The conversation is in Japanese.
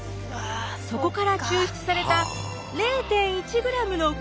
そこから抽出された０．１ｇの結晶。